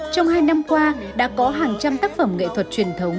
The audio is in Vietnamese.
trong hai năm qua đã có hàng trăm tác phẩm nghệ thuật truyền thống